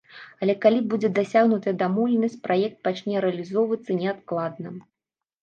Але калі будзе дасягнутая дамоўленасць, праект пачне рэалізоўвацца неадкладна.